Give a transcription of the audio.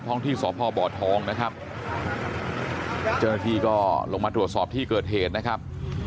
ห้องที่สพบทองนะครับเจ้าหน้าที่ก็ลงมาตรวจสอบที่เกิดเหตุนะครับ